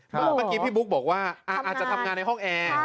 เมื่อกี้พี่บุ๊กบอกว่าอาจจะทำงานในห้องแอร์